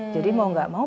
jadi mau nggak mau